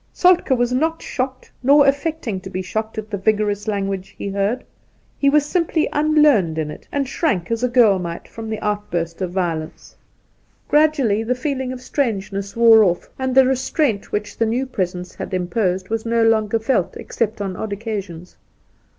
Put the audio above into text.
Soltkd was not shocked nor affecting to be shocked at the vigorous language he heard ; he was simply unlearned in it, and shrank as a girl might from the outburst of violence. 48 Soltk^ Gradually the feeling of strangeness wore off, and the restraint which the new presence had imposed was no longer felt except on odd occasions.